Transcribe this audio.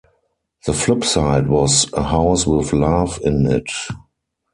The flip side was A House with Love in It.